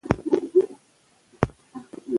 مور او پلار ته درناوی د هر چا دنده ده.